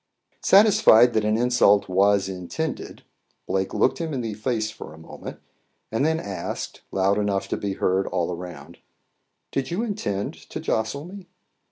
Satisfied that an insult was intended, Blake looked him in the face for a moment, and then asked, loud enough to be heard all around "Did you intend to jostle me?"